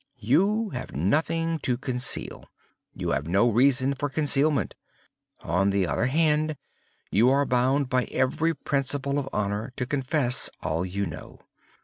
You have nothing to conceal. You have no reason for concealment. On the other hand, you are bound by every principle of honor to confess all you know.